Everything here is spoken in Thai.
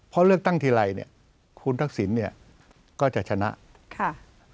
เพราะเลือกตั้งทีไรเนี่ยคุณทักษิณเนี่ยก็จะชนะค่ะ